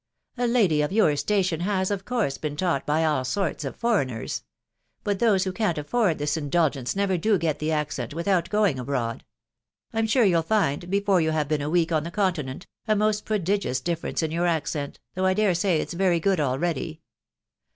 A lady of your station has, of course, been taught by all sorts of foreigners; but those who can't afford this indulgence never do get the accent without going abroad .... I'm sure you'll find, before you have been a ivtek on the Continent, a most prodigious dif . ference in your accent, though I dare aay it's very good already.